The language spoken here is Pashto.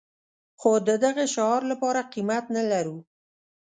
خو د دغه شعار لپاره قيمت نه لرو.